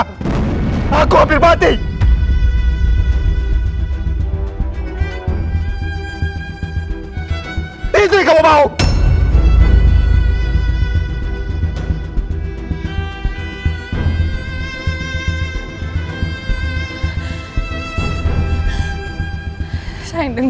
harusan cari mba endin